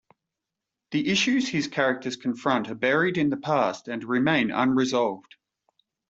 The issues his characters confront are buried in the past and remain unresolved.